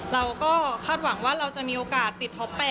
เราก็คาดหวังว่าเราจะมีโอกาสติดท็อป๘